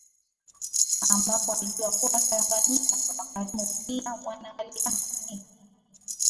ambapo alijua kuwa watanganyika ni wakarimu pia wana malighafi nyingi